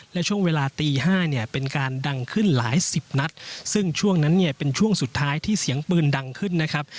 และช่วงเวลาตีห้าเนี่ยเป็นการดังขึ้นหลายสิบนัดซึ่งช่วงนั้นเนี่ยเป็นช่วงสุดท้ายที่เสียงปืนดังขึ้นนะครับ